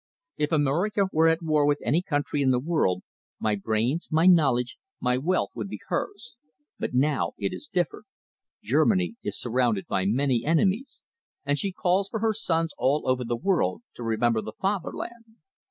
If America were at war with any country in the world, my brains, my knowledge, my wealth would be hers. But now it is different. Germany is surrounded by many enemies, and she calls for her sons all over the world to remember the Fatherland.